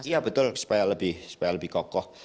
iya betul supaya lebih kokoh